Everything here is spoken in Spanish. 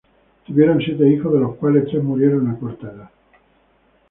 Tuvieron siete hijos, de los cuales, tres murieron a corta edad.